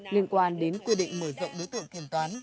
liên quan đến quy định mở rộng đối tượng kiểm toán